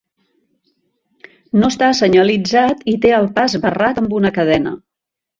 No està senyalitzat i té el pas barrat amb una cadena.